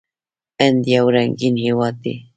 هند یو رنګین هیواد دی.